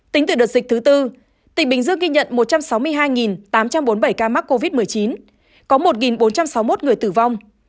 tính từ đợt dịch thứ tư tỉnh bình dương ghi nhận một trăm sáu mươi hai tám trăm bốn mươi bảy ca mắc covid một mươi chín có một bốn trăm sáu mươi một người tử vong